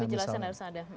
di penjelasannya harus ada